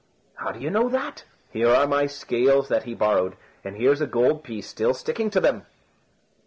"How do you know that?" "Here are my scales that he borrowed, and here's a gold piece still sticking to them."